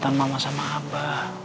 kelanjutan mama sama abah